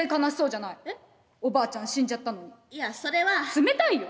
冷たいよ。